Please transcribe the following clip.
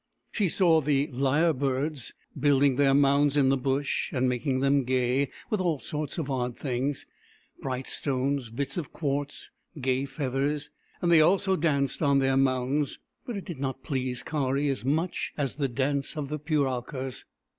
She saw the lyre birds building their mounds in the Bush, and making them gay with all sorts of odd things : bright stones, bits of quartz, gay feathers ; and they also danced on their mounds, but it did not please Kari as much as the dance of the Puralkas.